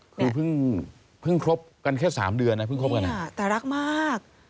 คือเพิ่งครบกันแค่๓เดือนแต่รักมาก